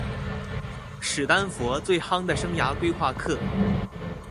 史丹佛最夯的生涯規畫課